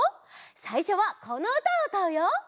さいしょはこのうたをうたうよ！